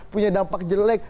punya dampak jelek